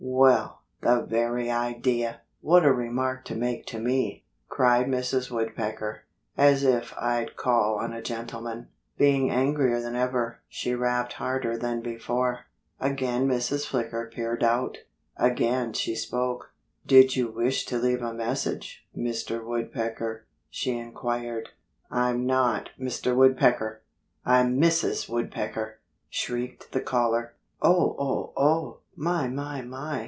"Well, the very idea! What a remark to make to me!" cried Mrs. Woodpecker. "As if I'd call on a gentleman!" Being angrier than ever, she rapped harder than before. Again Mrs. Flicker peered out. Again she spoke. "Did you wish to leave a message, Mr. Woodpecker?" she inquired. "I'm not Mr. Woodpecker! I'm Mrs. Woodpecker!" shrieked the caller. "Oh! Oh! Oh! My! My! My!"